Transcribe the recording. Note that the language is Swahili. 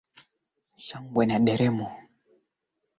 abiria wapatao elfu moja mia tano walikufa